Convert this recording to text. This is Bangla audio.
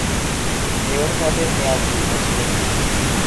মেয়র পদের মেয়াদ দুই বছর।